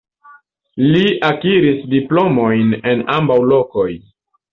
Li akiris diplomojn en ambaŭ lokoj.